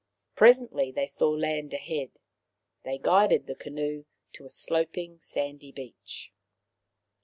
Presently they saw land ahead. They guided the canoe to a sloping sandy beach.